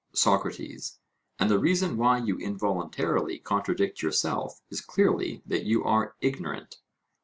SOCRATES: And the reason why you involuntarily contradict yourself is clearly that you are ignorant?